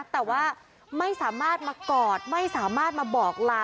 แต่ว่าไม่สามารถมากอดไม่สามารถมาบอกลา